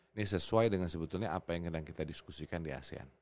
ini sesuai dengan sebetulnya apa yang sedang kita diskusikan di asean